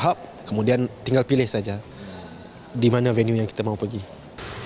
hanya perlu mengambil transport dari village terus ke tempat yang lain